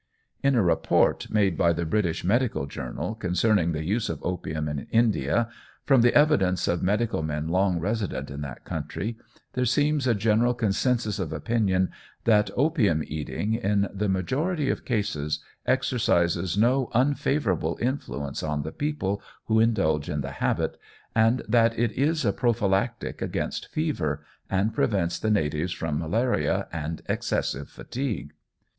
In a report made by the British Medical Journal concerning the use of opium in India, from the evidence of medical men long resident in that country, there seems a general concensus of opinion that opium eating, in the majority of cases, exercises no unfavourable influence on the people who indulge in the habit, and that it is a prophylactic against fever, and prevents the natives from malaria and excessive fatigue.